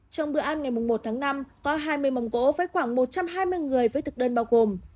trong bữa ăn ngày một tháng năm có hai mươi mâm gỗ với khoảng một trăm hai mươi người với thực đơn bao gồm